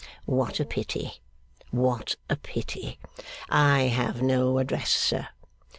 what a pity, what a pity! I have no address, sir.